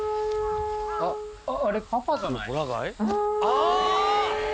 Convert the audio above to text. ああ！